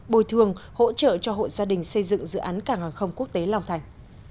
bồi thường hỗ trợ cho hội gia đình xây dựng dự án cả ngang không quốc tế long thành